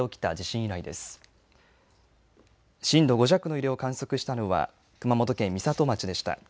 震度５弱の揺れを観測したのは、熊本県美里町でした。